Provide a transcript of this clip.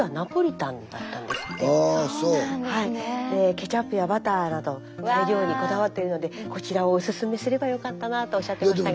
ケチャップやバターなど材料にこだわっているのでこちらをオススメすればよかったなとおっしゃってましたが。